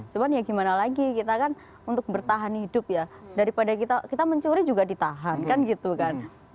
cuma ya gimana lagi kita kan untuk bertahan hidup ya daripada kita mencuri juga ditahan kan gitu kan